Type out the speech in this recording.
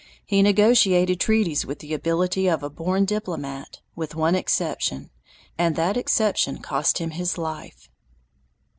He negotiated treaties with the ability of a born diplomat, with one exception, and that exception cost him his life.